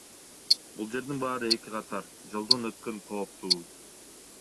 Бул жердин баары эки катар, жолдон өткөн кооптуу.